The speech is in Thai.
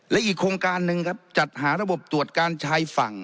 และอีกโครงการหนึ่งครับจัดหาระบบตรวจการชายฝั่ง